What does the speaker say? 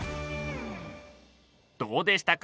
どうでしたか？